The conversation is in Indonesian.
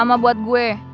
lama buat gue